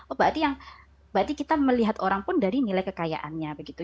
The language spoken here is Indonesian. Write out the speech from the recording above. oh berarti yang berarti kita melihat orang pun dari nilai kekayaannya begitu